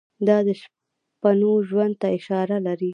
دا د شپنو ژوند ته اشاره لري.